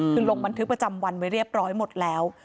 คือลงบันทึกประจำวันไว้เรียบร้อยหมดแล้ว